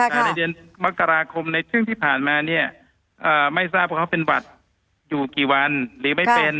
แต่ในเดือนมกราคมในช่วงที่ผ่านมาเนี่ยไม่ทราบว่าเขาเป็นหวัดอยู่กี่วันหรือไม่เป็น